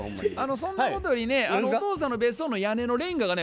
そんなことよりねお父さんの別荘の屋根のレンガがね